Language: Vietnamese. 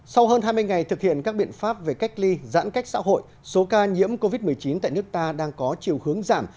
sau hơn hai mươi ngày thực hiện các biện pháp về cách ly giãn cách xã hội số ca nhiễm covid một mươi chín tại nước ta đang có chiều hướng giảm